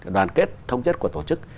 đoàn kết thông chất của tổ chức